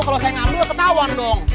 kalau saya ngambil ketahuan dong